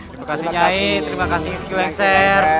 terima kasih nyai terima kasih qxr